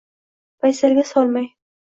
Paysalga solmay.